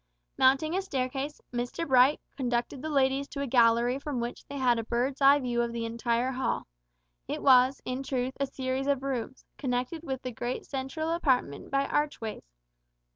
Mounting a staircase, Mr Bright conducted the ladies to a gallery from which they had a bird's eye view of the entire hall. It was, in truth, a series of rooms, connected with the great central apartment by archways.